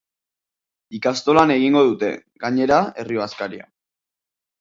Ikastolan egingo dute, gainera, herri bazkaria.